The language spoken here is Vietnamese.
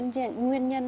cũng là những nguyên nhân